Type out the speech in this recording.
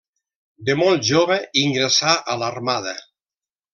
De molt jove ingressà a l'armada.